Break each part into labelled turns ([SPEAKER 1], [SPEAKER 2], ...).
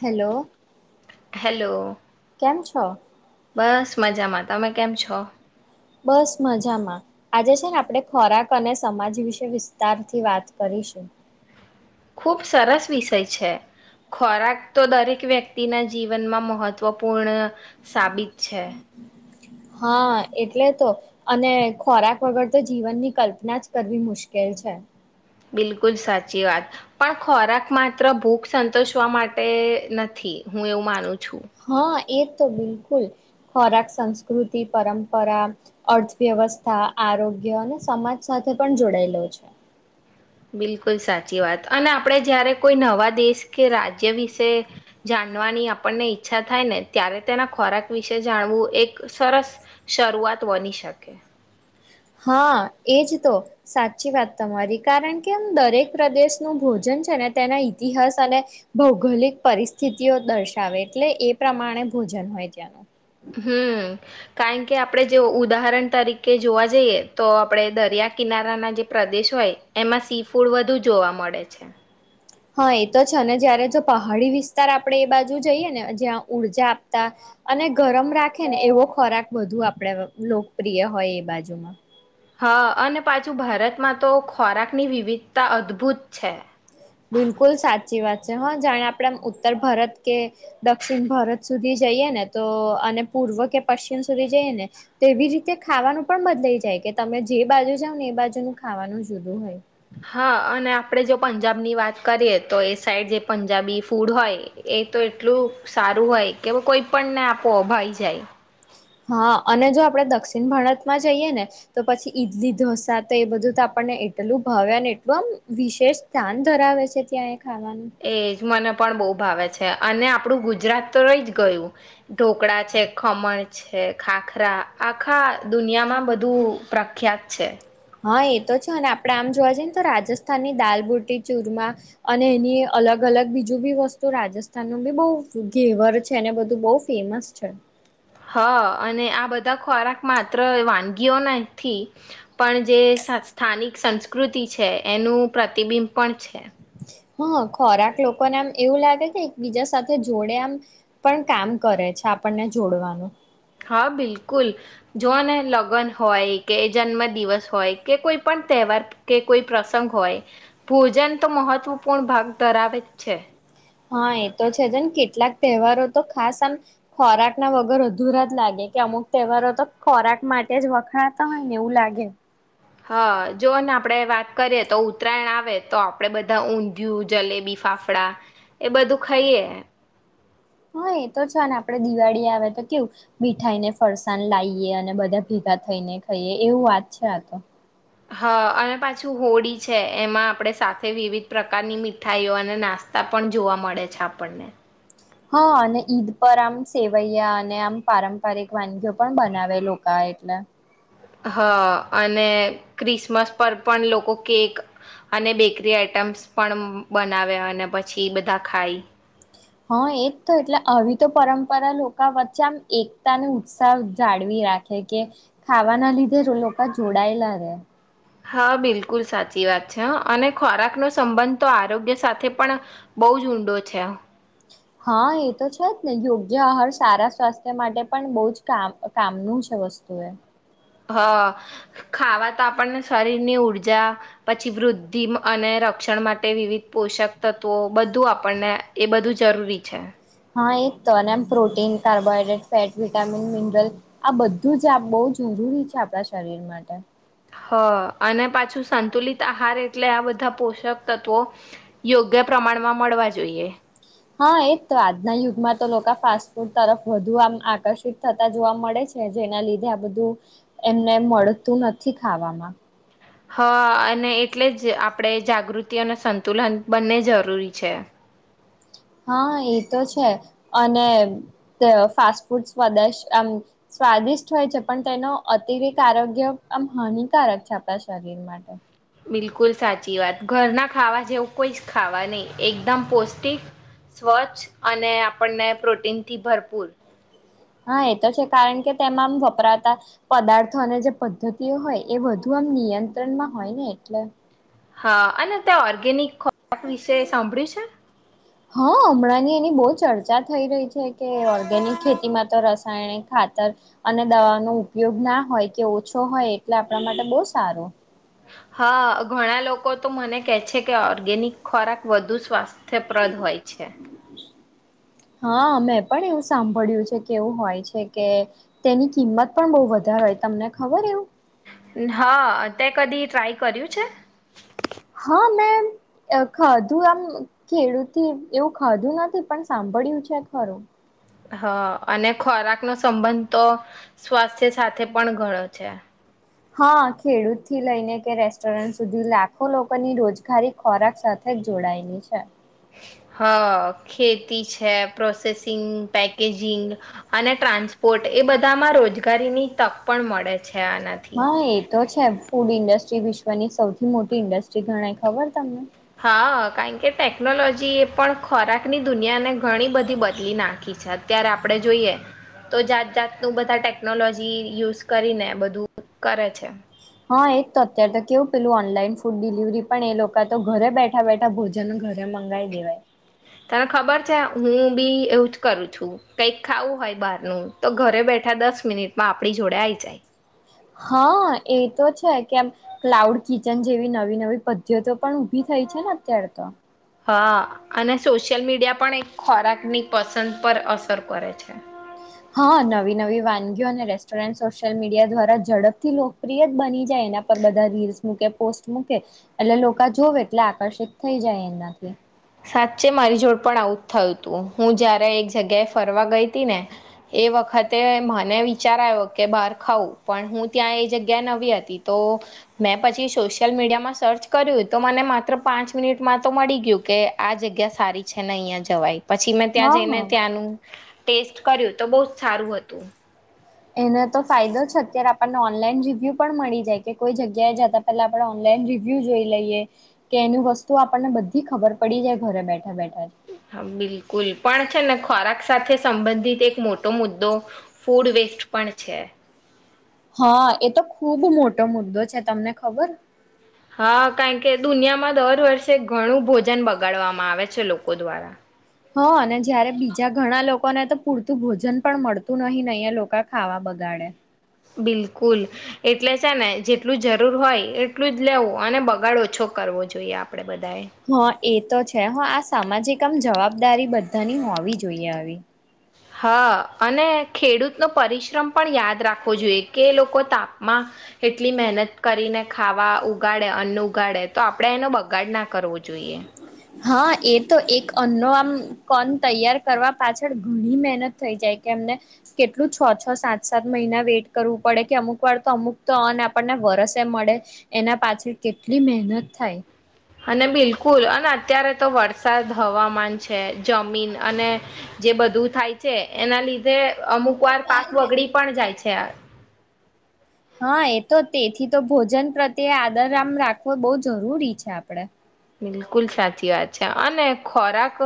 [SPEAKER 1] Hello
[SPEAKER 2] hello
[SPEAKER 1] કેમ છો?
[SPEAKER 2] બસ મજામાં તમે કેમ છો?
[SPEAKER 1] બસ મજામાં આજે છે ને આપણે ખોરાક અને સમાજ વિશે વિસ્તારથી વાત કરીશું.
[SPEAKER 2] ખૂબ સરસ વિષય છે ખોરાક તો દરેક વ્યક્તિના જીવનમાં મહત્વપૂર્ણ સાબિત છે.
[SPEAKER 1] હા એટલે તો અને ખોરાક વગર તો જીવનની કલ્પના જ કરવી મુશ્કેલ છે.
[SPEAKER 2] બિલકુલ સાચી વાત પણ ખોરાક માત્ર ભૂખ સંતોષવા માટે નથી હું એવું માનું છું.
[SPEAKER 1] હા એ તો બિલકુલ ખોરાક સંસ્કૃતિ પરંપરા અર્થવ્યવસ્થા આરોગ્ય અને સમાજ સાથે પણ જોડાયેલો છે.
[SPEAKER 2] બિલકુલ સાચી વાત અને આપણે જયારે કોઈ નવા દેશ કે રાજ્ય વિશે જાણવાની આપણને ઈચ્છા થાય ને ત્યારે તેના ખોરાક વિશે જાણવું એક સરસ શરૂઆત બની શકે.
[SPEAKER 1] હ એજ તો સાચી વાત તમારી કારણ કે દરેક પ્રદેશનું ભોજન છે ને તેના ઈતિહાસ અને ભૌગોલિક પરિસ્થિતિઓ દર્શાવે એટલે એ પ્રમાણે ભોજન હોય ત્યાંનું.
[SPEAKER 2] હમ. કારણ કે આપણે જો ઉદાહરણ તરીકે જોવા જઈએ તો આપણે દરિયા કિનારાના જે પ્રદેશ હોય એમાં સી ફૂડ વધુ જોવા મળે છે.
[SPEAKER 1] હા એ તો છે ને જયારે જો પહાડી વિસ્તાર આપણે એ બાજુ જઈએ ને જ્યાં ઊર્જા આપતા અને ગરમ રાખે ને એવો ખોરાક બધું આપણેે લોકપ્રિય હોય એ બાજુમાં.
[SPEAKER 2] હા અને પાછું ભારતમાં તો ખોરાકની વિવિધતા અદભુત છે.
[SPEAKER 1] બિલકુલ સાચી વાત છે હા જાણે આપણે ઉત્તર ભારત કે દક્ષિણ ભારત સુધી જઈએ ને તો અને પૂર્વ કે પશ્ચિમ સુધી જઈએ ને તો એવી રીતે ખાવાનું પણ બદલાઈ જાય કે તમે જે બાજુ જાવ ને એ બાજુનું ખાવાનું જુદું હોય.
[SPEAKER 2] હા અને આપડે જો પંજાબની વાત કરીએ તો એ સાઈડ જે પંજાબી ફૂડ હોય એ તો એટલું સારું હોય કે કોઈપણને આપોપ ભાઈ જાય.
[SPEAKER 1] હા અને જો આપણે દક્ષિણ ભારતમાં જઈએ ને તો પછી ઈડલી ઢોસા તો એ બધું તો આપણને એટલું ભાવે અને એટલું આમ વિશેષ ધ્યાન ધરાવે છે ત્યાં એ. ખાવાનું
[SPEAKER 2] એજ મને પણ બઉ ભાવે છે અને આપણું ગુજરાત તો રહી જ ગયું ઢોકળા છે ખમણ છે ખાખરા આખા દુનિયામાં બધું પ્રખ્યાત છે.
[SPEAKER 1] હા એ તો છે અને આપણે આમ જોવા જઈએ ને તો રાજસ્થાનની દાલબુટી ચૂરમા અને એની અલગ અલગ બીજું બી વસ્તુ રાજસ્થાનનું બી બહુ ઘેવર છે અને બધું બહુ ફેમસ છે.
[SPEAKER 2] હં અને આ બધા ખોરાક માત્ર વાનગીઓ નથી પણ જે સા સ્થાનિક સંસ્કૃતિ છે એનું પ્રતિબિંબ પણ છે.
[SPEAKER 1] હા ખોરાક લોકોને આમ એવું લાગે છે એક બીજા સાથે જોડે આમ પણ કામ કરે છે આપણને જોડવાનું.
[SPEAKER 2] હા બિલકુલ જોઓને લગન હોય કે જન્મ દિવસ હોય કે કોઈ પણ તહેવાર કે કોઈ પ્રસંગ હોય ભોજન તો મહત્વપૂર્ણ ભાગ ધરાવે જ છે.
[SPEAKER 1] હા એ તો છે જો ને કેટલાક તહેવારો તો ખાસ આમ ખોરાકના વગર અધુરા જ લાગે કે અમુક તહેવારો તો ખોરાક માટે જ વખણાતા હોય ને એવું લાગે.
[SPEAKER 2] હા જો ને આપડે વાત કરીએ તો ઉત્તરાયણ આવે તો આપડે બધા ઊંધિયું જલેબી ફાફડા એ બધું ખઈએ.
[SPEAKER 1] હા એ તો છે ને આપે દિવાળી આવે તો કેવું મીઠાઈને ફરસાણ લાઇએ અને બધા ભેગા થઈને ખાઈએ એવું વાત છે આ તો.
[SPEAKER 2] હા અને પાછું હોળી છે એમાં આપણે સાથે વિવિધ પ્રકારની મીઠાઈઓ અને નાસ્તા પણ જોવા મળે છે આપણને.
[SPEAKER 1] હા અને ઈદ પર આમ સેવૈયા અને આમ પારંપારિક વાનગીઓ પણ બનાવે લોકા એટલે.
[SPEAKER 2] હા અને ક્રિસમસ પર પણ લોકો કેક અને બેકરી આઈટમ્સ પણ બનાવે અને પછી બધા ખાય.
[SPEAKER 1] હા એજ તો એટલે આવી તો પરંપરા લોકા વચ્ચે આમ એકતાને ઉત્સાહ જાળવી રાખે કે ખાવાના લીધે લોકા જોડાયેલા રે.
[SPEAKER 2] હા બિલકુલ સાચી વાત છે અને ખોરાકનો સંબંધ તો આરોગ્ય સાથે પણ બહુ જ ઊંડો છે.
[SPEAKER 1] હા એ તો છે જ ને યોગ્ય આહાર સારા સ્વાસ્થ્ય માટે પણ બહુ જ કામ કામનું છે વસ્તુ એ.
[SPEAKER 2] હ ખાવા તો આપણને શરીરની ઊર્જા પછી વૃદ્ધિ અને રક્ષણ માટે વિવિધ પોષક તત્વો બધું આપણને એ બધું જરૂરી છે.
[SPEAKER 1] હા એક તો અને એમ protein carbohydrate fat vitamin mineral આ બધું જ આપ બહુ જરૂરી છે આપણા શરીર માટે.
[SPEAKER 2] હ અને પાછું સંતુલિત આહાર એટલે આ બધા પોષક તત્વો યોગ્ય પ્રમાણમાં મળવા જોઈએ.
[SPEAKER 1] હા એજ તો આજના યુગમાં તો લોકો ફાસ્ટ ફૂડ તરફ વધુ આમ આકર્ષિત થતા જોવા મળે છે જેના લીધે આ બધું એમને મળતું નથી ખાવામાં.
[SPEAKER 2] હા અને એટલે જ આપણે જાગૃતિ અને સંતુલન બંને જરૂરી છે.
[SPEAKER 1] હા એ તો છે અને ફાસ્ટ ફૂડ આમ સ્વાદિષ્ટ હોય છે પણ તેનો અતિરિકત આરોગ્ય આમ હાનિકારક છે આપણા શરીર માટે.
[SPEAKER 2] બિલકુલ સાચી વાત ઘરના ખાવા જેવું કોઈ જ ખાવા નહીં એકદમ પૌષ્ટિક, સ્વચ્છ અને આપણને પ્રોટીનથી ભરપૂર.
[SPEAKER 1] હા એ તો છે કારણ કે તેમાં આમ વપરાતા પદાર્થો અને જે પદ્ધતિઓ હોય એ વધુ આમ નિયંત્રણમાં હોય ને એટલે.
[SPEAKER 2] હા અને તે ઓર્ગેનિક કપ વિશે એ સાંભળ્યું છે?
[SPEAKER 1] હા હમણાંની એની બહુ ચર્ચા થઈ રહી છે કે ઓર્ગેનિક ખેતીમાં તો રસાયણિક ખાતર અને દવાનો ઉપયોગ ના હોય કે ઓછો હોય એટલે આપણા માટે બહુ સારું.
[SPEAKER 2] હા ઘણા લોકો તો મને કે છે કે ઓર્ગેનિક ખોરાક વધુ સ્વાસ્થ પ્રદ હોય છે.
[SPEAKER 1] હા મેં પણ એવું સાંભળ્યું છે કે એવું હોય છે કે તેની કિંમત પણ બહુ વધારે હોય તમને ખબર એવું?
[SPEAKER 2] હા તે કદી ટ્રાય કર્યું છે?
[SPEAKER 1] હા મેં ખધું આમ ખેડૂ એવું ખાધું નથી પણ સાંભળ્યું છે ખરું.
[SPEAKER 2] હા અને ખોરાકનો સંબંધ તો સ્વાસ્થ્ય સાથે પણ ઘણો છે.
[SPEAKER 1] હા ખેડૂતથી લઈને કે રેસ્ટોરન્ટ સુધી લાખો લોકોની રોજગારી ખોરાક સાથે જ જોડાયેલી છે.
[SPEAKER 2] હ ખેતી છે પ્રોસેસિંગ પેકેજિંગ અને ટ્રાન્સપોર્ટ એ બધામાં રોજગારીની તક પણ મળે છે આનાથી.
[SPEAKER 1] હા એ તો છે ફૂડ ઇન્ડસ્ટ્રી વિશ્વની સૌથી મોટી ઇન્ડસ્ટ્રી ગણાય ખબર તમને?
[SPEAKER 2] હા કારણ કે ટેકનોલોજી એ પણ ખોરાકની દુનિયાને ઘણી બધી બદલી નાખી છે અત્યારે આપણે જોઈએ તો જાત જાતનું બધા ટેકનોલોજી યુઝ કરીને બધું કરે છે.
[SPEAKER 1] હા એ તો અત્ય્યારે તો કેવું પેલું ઓનલાઈન ફૂડ ડિલિવરી પણ એ લોકો તો ઘરે બેઠા બેઠા ભોજન ઘરે મંગાવી દેવાય.
[SPEAKER 2] તને ખબર છે હું બી એવું જ કરું છું કઈક ખાવું હોય બહારનું તો ઘરે બેઠા દસ મિનિટમાં આપણી જોડે આઈ જાય.
[SPEAKER 1] હા એ તો છે કેમ ક્લાઉડ કિચન જેવી નવી નવી પદ્ધતિ પણ ઉભી થઈ છે ને અત્યારે તો.
[SPEAKER 2] હા અને સોશિયલ મીડિયા પણ એક ખોરાકની પસંદ પર અસર કરે છે.
[SPEAKER 1] હા નવી નવી વાનગીઓ અને રેસ્ટોરન્ટ સોશિયલ મીડિયા દ્વારા ઝડપથી લોકપ્રિય જ બની જાય એના પર બધા રીલ્સ મૂકે પોસ્ટ મૂકે એટલે લોકો જોવે એટલે આકર્ષિત થઈ જાય એનાથી.
[SPEAKER 2] સાચે મારી જોડ પણ આવું જ થયું હતું હું જયારે એક જગ્યાએ ફરવા ગઈ હતી ને એ વખતે મને વિચાર આવ્યો કે બહાર ખઉં પણ હું ત્યાં એ જગ્યાએ નવી હતી તો મેં પછી સોશિયલ મીડિયામાં સર્ચ કર્યું તો મને માત્ર પાંચ મિનિટમાં તો મળી ગયું કે આ જગ્યા સારી છે ને અહીંયા જવાય પછી મેં ત્યાં
[SPEAKER 1] હા
[SPEAKER 2] જઈને
[SPEAKER 1] હા
[SPEAKER 2] ત્યાંનું ટેસ્ટ કર્યું તો બહુ જ સારું હતું.
[SPEAKER 1] એને તો ફાયદો છે અત્યારે આપણને ઓનલાઈન રિવ્યુ પણ મળી જાય કે કોઈ જગ્યાએ જતા પેલા આપડણે ઓનલાઈન રિવ્યુ જોઈ લઈએ કે એની વસ્તુ આપણને બધી ખબર પડી જાય ઘરે બેઠા બેઠા. જ
[SPEAKER 2] હા બિલકુલ પણ છે ને ખોરાક સાથે સંબંધિત એક મોટો મુદ્દો ફૂડ વેસ્ટ પણ છે.
[SPEAKER 1] હા એ તો ખુબ મોટો મુદ્દો છે તમને ખબર?
[SPEAKER 2] હા કારણ કે દુનિયામાં દર વર્ષે ઘણું ભોજન બગાડવામાં આવે છે લોકો દ્વારા.
[SPEAKER 1] હ અને જયારે બીજા ઘણા લોકોને તો પૂરતું ભોજન પણ મળતું નહી અહીંયા લોકો ખાવા બગાડે.
[SPEAKER 2] બિલકુલ એટલે છે ને જેટલું જરૂર હોય એટલું જ લેવું અને બગાડ ઓછો કરવો જોઈએ આપડણે બ
[SPEAKER 1] હા એ તો છે હ આ સામાજિક કમ જવાબદારી બધાની હોવી જોઈએ આવી.
[SPEAKER 2] હા અને ખેડૂતનો પરિશ્રમ પણ યાદ રાખવો જોઈએ કે લોકો તાપમાં એટલી મહેનત કરીને ખાવા ઉગાડે અન્ન ઉગાડે તો આપણેે એનો બગાડ ના કરવો જોઈએ.
[SPEAKER 1] હા એ તો એક અન્નો આમ કન તૈયાર કરવા પાછળ ઘણી મહેનત થઈ જાય કે એમને કેટલું છ-છ સાત-સાત મહિના વેઇટ કરવું પડે કે અમુક વાર તો અમુક તો અન્ન આપણને વરસે મળે એના પાછળ કેટલી મહેનત થાય.
[SPEAKER 2] અને બિલકુલ અને અત્યારે તો વરસાદ હવામાન છે જમીન અને જે બધું થાય છે એના લીધે અમુક વાર પાક બગડી પણ જાય છે. [inaudible]
[SPEAKER 1] હા એ તો તેથી તો ભોજન પ્રત્યે આદર આમ રાખવો બહુ જરૂરી છે આપડે.
[SPEAKER 2] બિલકુલ સાચી વાત છે અને ખોરાક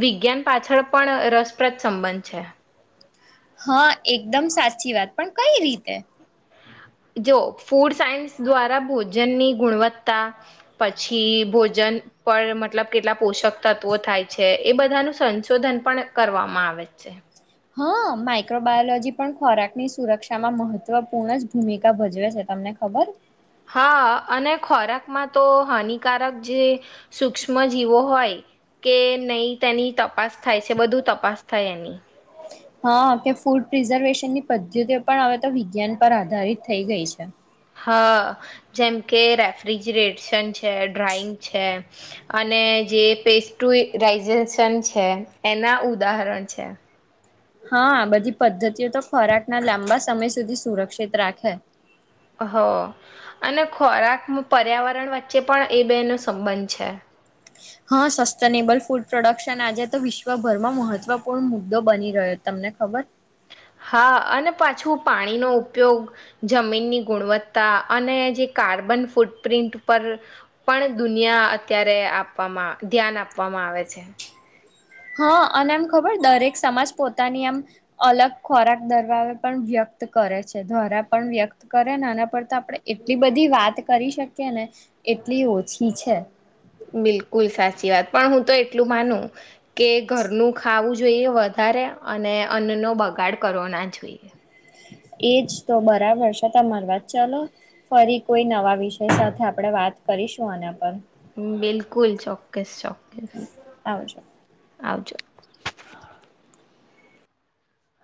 [SPEAKER 2] વિજ્ઞાન પાછળ પણ રસપ્રદ સંબંધ છે.
[SPEAKER 1] હા એકદમ સાચી વાત પણ કઈ રીતે?
[SPEAKER 2] જો ફૂડ સાયન્સ દ્વારા ભોજનની ગુણવત્તા, પછી ભોજન પર મતલબ કેટલા પોષક તત્વો થાય છે, એ બધાનું સંશોધન પણ કરવામાં આવે છે.
[SPEAKER 1] હા, માઈક્રો બાયોલોજી પણ ખોરાક ની સુરક્ષામાં મહત્વપૂર્ણ જ ભૂમિકા ભજવે છે, તમને ખબર.
[SPEAKER 2] હા, અને ખોરાકમાં તો હાનિકારક જે સુૂક્ષ્મ જીવો હોય કે નહીં, તેની તપાસ થાય છે, બધું તપાસ થાય એની.
[SPEAKER 1] હા, કે ફૂડ પ્રિઝર્વેશન ની પદ્ધતિ પણ હવે તો વિજ્ઞાન પર આધારિત થઈ ગઈ છે.
[SPEAKER 2] હ, જેમકે રેફ્રિજરેશન છે, ડ્રઈંગ છે, અને જે પેસ્ટુરાઈઝેશન છે, એના ઉદાહરણ છે.
[SPEAKER 1] હા, બધી પદ્ધતિઓ તો ખોરાક ના લાંબા સમય સુધી સુરક્ષિત રાખે.
[SPEAKER 2] હ, અને ખોરાક, પર્યાવરણ વચ્ચે પણ એ બે નો સંબંધ છે.
[SPEAKER 1] હા, સસ્ટેનેબલ ફૂડ પ્રોડક્શન આજે તો વિશ્વભરમાં મહત્વપૂર્ણ મુદ્દો બની રહ્યો, તમને ખબર?
[SPEAKER 2] હા, અને પાછું પાણીનો ઉપયોગ જમીનની ગુણવત્તા, અને જે કાર્બન ફૂટપ્રિન્ટ પર પણ દુનિયા અત્યારે આપવામાં ધ્યાન આપવામાં આવે છે.
[SPEAKER 1] હા, અને એમ ખબર, દરેક સમાજ પોતાની આમ અલગ ખોરાક દરબાવે પણ વ્યક્ત કરે છે, ખરાં પણ વ્યક્ત કરેને? આના પર તો આપણે એટલી બધી વાત કરી શકીએ ને, એટલી ઓછી છે.
[SPEAKER 2] બિલકુલ સાચી વાત, પણ હું તો એટલું માનું કે ઘરનું ખાવું જોઈએ વધારે, અને અન્નનો બગાડ કરવો ના જોઈએ.
[SPEAKER 1] એજ તો બરાબર છે તમારી વાત. ચલો, ફરી કોઈ નવા વિષય સાથે આપણે વાત કરીશું આના પર.
[SPEAKER 2] બિલકુલ, ચોક્કસ, ચોક્કસ.
[SPEAKER 1] આવજો.
[SPEAKER 2] આવજો.